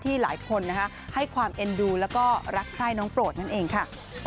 หลายคนให้ความเอ็นดูแล้วก็รักไข้น้องโปรดนั่นเองค่ะ